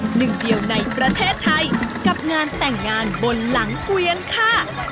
หนึ่งเดียวในประเทศไทยกับงานแต่งงานบนหลังเกวียนค่ะ